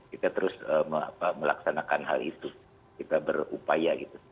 kita terus melaksanakan hal itu kita berupaya gitu